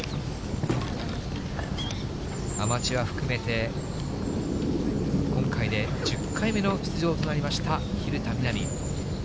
アマチュア含めて、今回で１０回目の出場となりました、蛭田みな美。